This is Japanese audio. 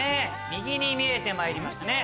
右に見えてまいりました